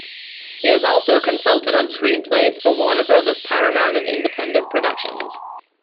He has also consulted on screenplays for Warner Brothers, Paramount, and independent productions.